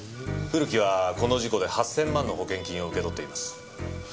古木はこの事故で８０００万の保険金を受け取っています。